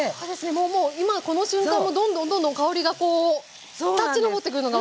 もうもう今この瞬間もどんどんどんどん香りがこう立ち上ってくるのが分かります。